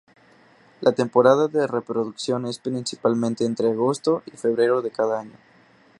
La temporada de reproducción es principalmente entre agosto y febrero de cada año.